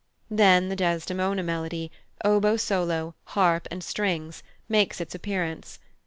Then the Desdemona melody, oboe solo, harp, and strings, makes its appearance.